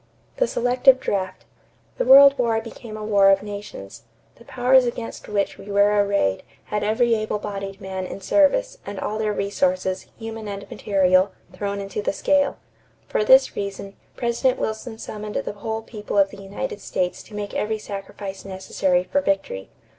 =The Selective Draft.= The World War became a war of nations. The powers against which we were arrayed had every able bodied man in service and all their resources, human and material, thrown into the scale. For this reason, President Wilson summoned the whole people of the United States to make every sacrifice necessary for victory.